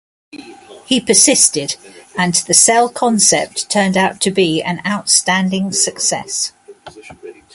He persisted, and the cell concept turned out to be an outstanding success.